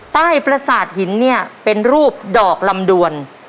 ประสาทหินเนี่ยเป็นรูปดอกลำดวน